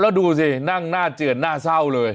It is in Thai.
แล้วดูสินั่งหน้าเจือดหน้าเศร้าเลย